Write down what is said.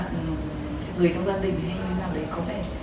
người trong gia đình hay như thế nào đấy có vẻ